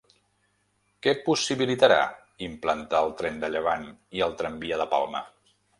Què possibilitarà implantar el tren de Llevant i el tramvia de Palma?